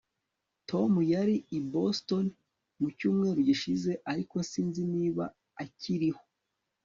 Tom yari i Boston mu cyumweru gishize ariko sinzi niba akiriho